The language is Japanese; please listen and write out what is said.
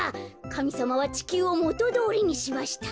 かみさまはちきゅうをもとどおりにしました。